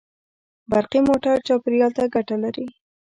برقي موټر چاپېریال ته ګټه لري.